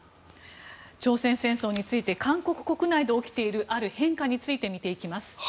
朝鮮戦争について韓国国内で起きているある変化について見ていきます。